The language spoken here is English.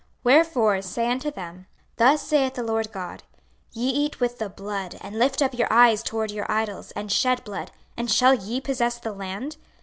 26:033:025 Wherefore say unto them, Thus saith the Lord GOD; Ye eat with the blood, and lift up your eyes toward your idols, and shed blood: and shall ye possess the land?